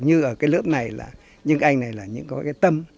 như ở cái lớp này là những anh này là những có cái tâm